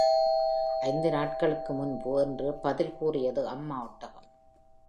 ஐந்து நாட்களுக்கு முன்பு என்று பதில் கூறியது அம்மா ஒட்டகம்.